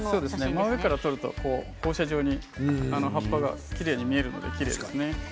上から撮ると放射線状に葉っぱがきれいに見えるんですね。